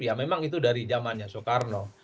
ya memang itu dari zamannya soekarno